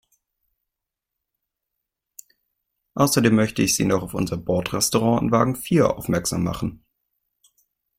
Außerdem möchte ich Sie noch auf unser Bordrestaurant in Wagen vier aufmerksam machen.